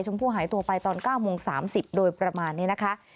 ผู้หายตัวไปตอน๙โมง๓๐โดยประมาณนี้นะคะ